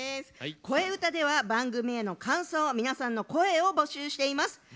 「こえうた」では番組への感想皆さんの声を募集しています。